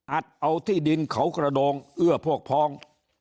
อัดเอาที่ดินเขากระโดงเอื้อพวกพ้อง